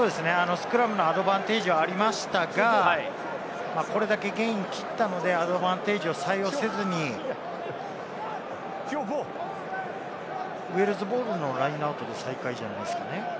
スクラムのアドバンテージがありましたが、これだけゲインを切ったので、アドバンテージを採用せずにウェールズボールのラインアウトで再開じゃないですか？